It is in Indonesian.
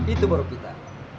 itu baru kita